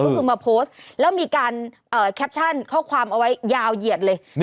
ก็คือมาโพสต์แล้วมีการแคปชั่นข้อความเอาไว้ยาวเหยียดเลย